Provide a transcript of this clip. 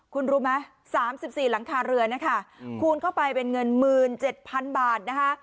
คุณรู้ไหม๓๔หลังคาเรือนนะคะคูณเข้าไปเป็นเงิน๑๗๐๐๐บาทนะคะ